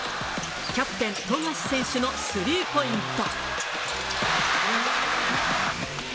キャプテン、富樫選手のスリーポイント。